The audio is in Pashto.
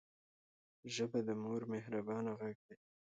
ژبه د مور مهربانه غږ دی